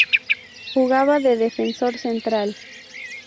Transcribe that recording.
Jugaba de defensor Central.